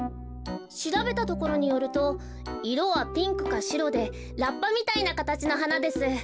しらべたところによるといろはピンクかシロでラッパみたいなかたちのはなです。